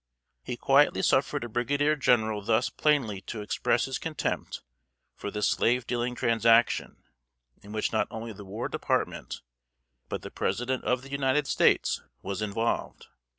He quietly suffered a Brigadier General thus plainly to express his contempt for this slave dealing transaction, in which not only the War Department, but the President of the United States, was involved.